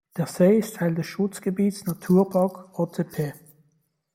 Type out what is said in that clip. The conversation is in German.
Der See ist Teil des Schutzgebiets Naturpark Otepää.